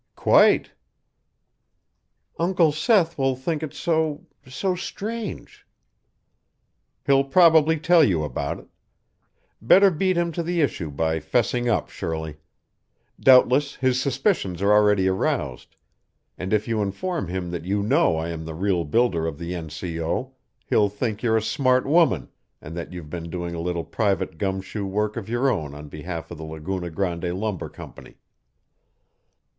"Quite." "Uncle Seth will think it so so strange." "He'll probably tell you about it. Better beat him to the issue by 'fessing up, Shirley. Doubtless his suspicions are already aroused, and if you inform him that you know I am the real builder of the N. C. O., he'll think you're a smart woman and that you've been doing a little private gum shoe work of your own on behalf of the Laguna Grande Lumber Company."